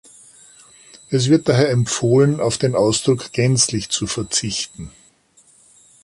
Es wird daher empfohlen auf den Ausdruck gänzlich zu verzichten.